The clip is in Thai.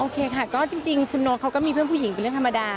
ค่ะก็จริงคุณโน๊ตเขาก็มีเพื่อนผู้หญิงเป็นเรื่องธรรมดา